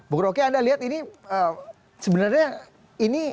bukroke anda lihat ini sebenarnya ini